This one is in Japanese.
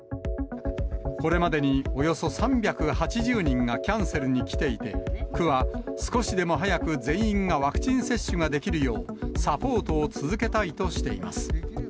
これまでにおよそ３８０人がキャンセルに来ていて、区は少しでも早く全員がワクチン接種ができるよう、サポートを続けたいとしています。